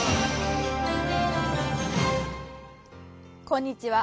こんにちは。